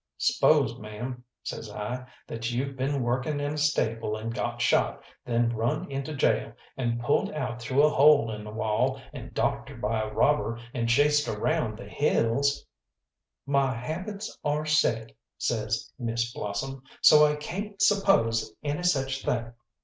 "'Spose, ma'am," says I, "that you'd been working in a stable and got shot, then run into gaol, and pulled out through a hole in the wall, and doctored by a robber, and chased around the hills " "My habits are set," says Miss Blossom, "so I cayn't suppose any such thing.